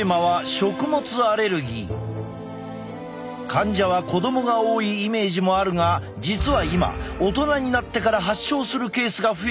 患者は子どもが多いイメージもあるが実は今大人になってから発症するケースが増えているという。